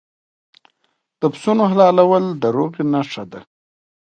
د پسونو حلالول د روغې نښه ده.